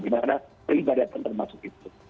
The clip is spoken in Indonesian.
dimana peribadah tentu masuk itu